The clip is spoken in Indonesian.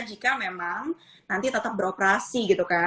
jika memang nanti tetap beroperasi gitu kan